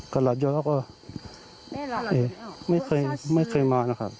กระหลาดเยอะแล้วก็ไม่เคยมานะครับ